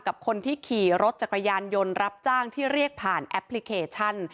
กับคนที่ขี่รถจักรยานยนต์รับจ้างที่เรียกผ่านแอปพลิเคชัน